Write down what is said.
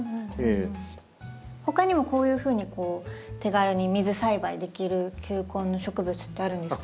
ほかにもこういうふうに手軽に水栽培できる球根の植物ってあるんですか？